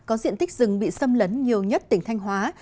có diện tích rừng bị xâm lấn nhiều nhất tỉnh thanh hóa